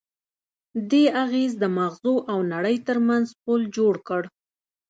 دې اغېز د ماغزو او نړۍ ترمنځ پُل جوړ کړ.